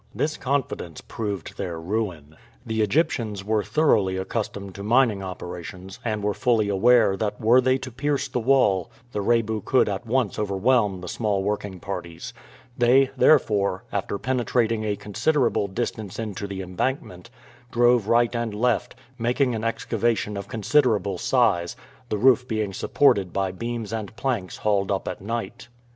This confidence proved their ruin. The Egyptians were thoroughly accustomed to mining operations, and were fully aware that were they to pierce the wall the Rebu could at once overwhelm the small working parties; they, therefore, after penetrating a considerable distance into the embankment, drove right and left, making an excavation of considerable size, the roof being supported by beams and planks hauled up at night.